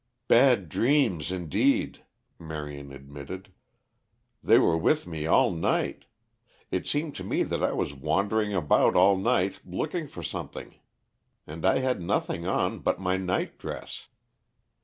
"Bad dreams, indeed," Marion admitted. "They were with me all night. It seemed to me that I was wandering about all night looking for something. And I had nothing on but my nightdress.